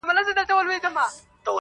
د سودا اخیستل هر چاته پلمه وه.!